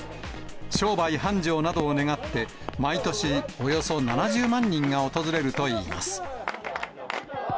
商売繁盛などを願って、毎年、およそ７０万人が訪れるといいます。